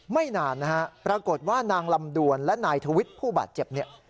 ไม่นานปรากฏว่านางลำดวนและนายทวิทย์ผู้บัดเจ็บ